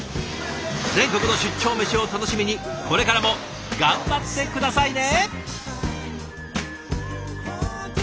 全国の出張メシを楽しみにこれからも頑張って下さいね。